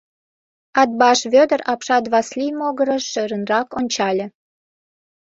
Атбаш Вӧдыр апшат Васлий могырыш шӧрынрак ончале.